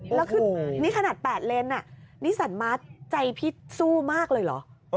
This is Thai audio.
แล้วคือนี่ขนาด๘เลนนี่สันมาร์ทใจพี่สู้มากเลยเหรอ